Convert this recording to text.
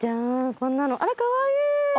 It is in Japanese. こんなのあらかわいい！